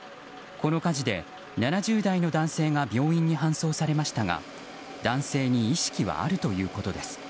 この火事で７０代の男性が病院に搬送されましたが男性に意識はあるということです。